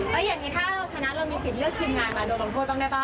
แล้วอย่างนี้ถ้าเราชนะเรามีสิทธิ์เลือกทีมงานมาโดนลงโทษบ้างได้ป่